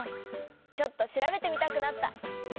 ちょっと調べてみたくなった。